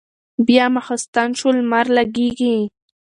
بيا ماخستن شو لمر لګېږي